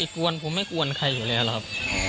กวนผมไม่กวนใครอยู่แล้วครับ